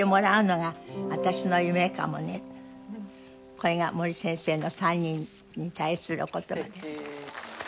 これが森先生の３人に対するお言葉です。